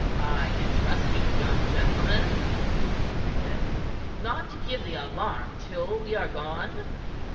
"I can trust you, young gentleman," he said, "not to give the alarm till we are gone?"